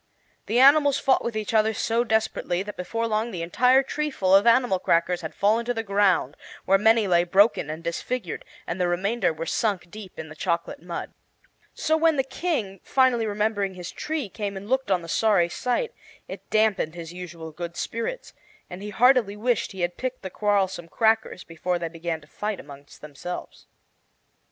The animals fought with each other so desperately that before long the entire treeful of animal crackers had fallen to the ground, where many lay broken and disfigured, and the remainder were sunk deep in the chocolate mud. So when the King, finally remembering his tree, came and looked on the sorry sight, it dampened his usual good spirits, and he heartily wished he had picked the quarrelsome crackers before they began to fight among themselves.